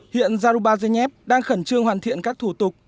hiện zarubazhnev đang khẩn trương hoàn thiện các thủ tục